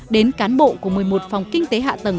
đến cán bộ của một mươi một phòng kinh tế hạ tầng